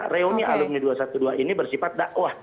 reuni alumni dua ratus dua belas ini bersifat dakwah